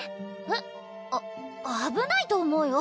えっあ危ないと思うよ